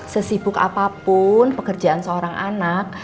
sesibuk apapun pekerjaan seorang anak